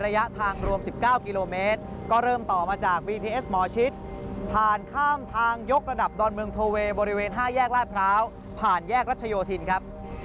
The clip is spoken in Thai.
แยกราชพร้าวผ่านแยกรัชโยธินครับ